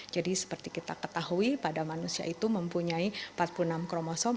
jadi seperti kita ketahui pada manusia itu mempunyai empat puluh enam kromosom